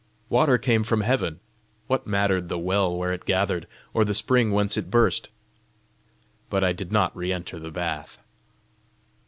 Water came from heaven: what mattered the well where it gathered, or the spring whence it burst? But I did not re enter the bath.